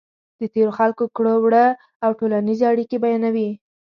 د تېرو خلکو کړو وړه او ټولنیزې اړیکې بیانوي.